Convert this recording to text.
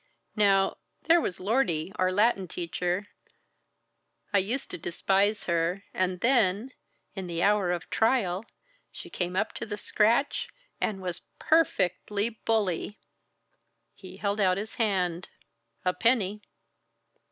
Now, there was Lordy, our Latin teacher. I used to despise her; and then in the hour of trial she came up to the scratch, and was per fect ly bully!" He held out his hand. "A penny."